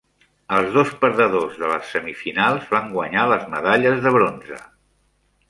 Els dos perdedors de les semifinals van guanyar les medalles de bronze.